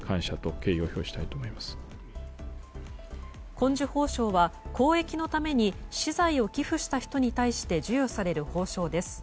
紺綬褒章は公益のために私財を寄付した人に対して授与される褒章です。